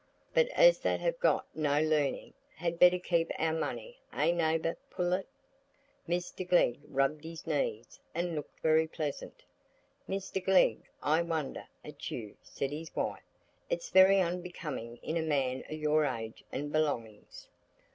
But us that have got no learning had better keep our money, eh, neighbour Pullet?" Mr Glegg rubbed his knees, and looked very pleasant. "Mr Glegg, I wonder at you," said his wife. "It's very unbecoming in a man o' your age and belongings."